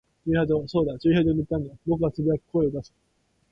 駐車場。そうだ、駐車場に行ったんだ。僕は呟く、声を出す。